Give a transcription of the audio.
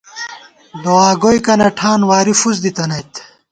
دعا گوئیکَنہ ٹھان، واری فُس دِتَنَئیت